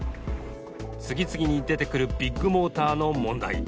次々に出てくるビッグモーターの問題。